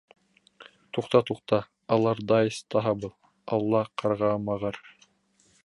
Туҡта-туҡта, Аллардайс таһа был, алла ҡарғамағыр!